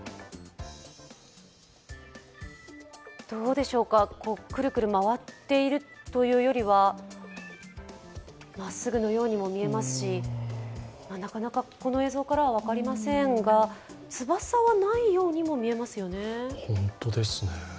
どうでしょうか、くるくる回っているというよりはまっすぐのようにも見えますしなかなかこの映像からは分かりませんが翼はないようにも見えますよね。